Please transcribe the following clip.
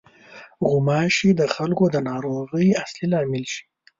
غوماشې د خلکو د ناروغۍ اصلي لامل شي.